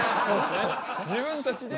自分たちで。